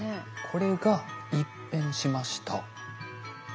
これが一変しました。